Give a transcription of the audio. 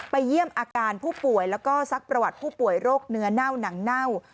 เยี่ยมอาการผู้ป่วยแล้วก็ซักประวัติผู้ป่วยโรคเนื้อเน่าหนังเน่า